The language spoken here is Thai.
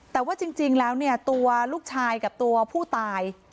แต่ว่าจริงแล้วเนี่ยตัวลูกชายกับตัวผู้ตาย